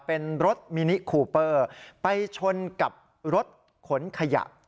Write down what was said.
เป็นรถมินิคูเปอร์ไปชนกับรถขนขยะ